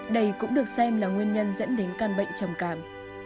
đây cũng được xem là nguyên nhân dẫn đến căn bệnh trầm cảm